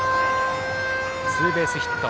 ツーベースヒット。